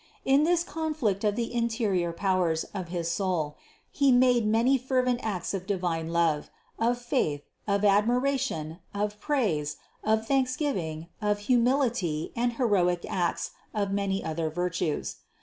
In this conflict of the interior powers of his soul he made many fervent acts of divine love, of faith, of admiration, of praise, of thanksgiving, of humility and heroic acts of many other virtues.